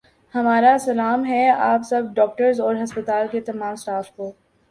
ہمارا سلام ہے آپ سب ڈاکٹرس اور ہسپتال کے تمام سٹاف کو